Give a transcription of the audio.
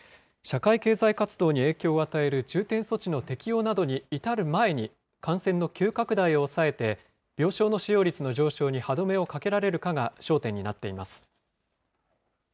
社会経済活動に影響を与える重点措置の適用などに至る前に、感染の急拡大を抑えて、病床の使用率の上昇に歯止めをかけられるかが焦点になっています。